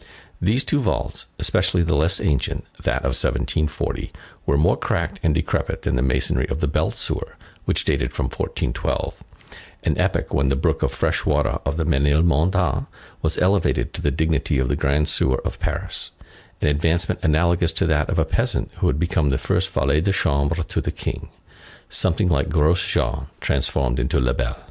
These two vaults, especially the less ancient, that of 1740, were more cracked and decrepit than the masonry of the belt sewer, which dated from 1412, an epoch when the brook of fresh water of Ménilmontant was elevated to the dignity of the Grand Sewer of Paris, an advancement analogous to that of a peasant who should become first valet de chambre to the King; something like Gros Jean transformed into Lebel.